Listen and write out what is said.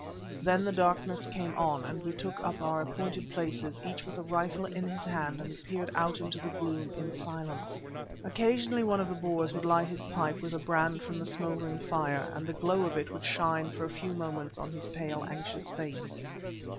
Then the darkness came on, and we took up our appointed places each with a rifle in his hands and peered out into the gloom in silence. Occasionally one of the Boers would light his pipe with a brand from the smouldering fire, and the glow of it would shine for a few moments on his pale, anxious face.